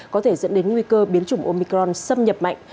có thể dẫn đến nguy cơ biến chủng omicron xâm nhập mạnh